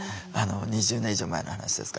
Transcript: ２０年以上前の話ですから。